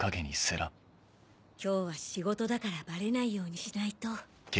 今日は仕事だからバレないようにしないと。